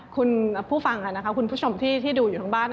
คุณผู้ฟังคุณผู้ชมที่ดูอยู่ทั้งบ้าน